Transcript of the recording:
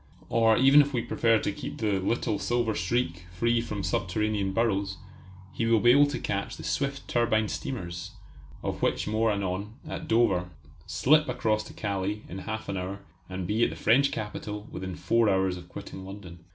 Or even if we prefer to keep the "little silver streak" free from subterranean burrows, he will be able to catch the swift turbine steamers of which more anon at Dover, slip across to Calais in half an hour, and be at the French capital within four hours of quitting London.